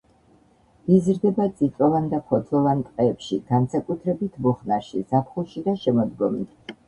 იზრდება წიწვოვან და ფოთლოვან ტყეებში, განსაკუთრებით მუხნარში, ზაფხულში და შემოდგომით.